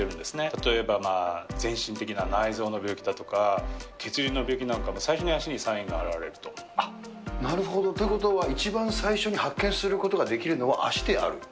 例えば全身的な内臓の病気だとか、血流の病気なんかも、なるほど、っていうことは、一番最初に発見することができるのは足であると？